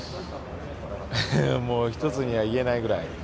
もう一つには言えないぐらい。